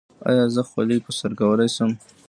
ایا زه خولۍ په سر کولی شم؟